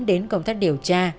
đến công tác điều tra